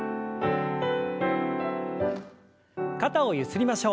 肩をゆすりましょう。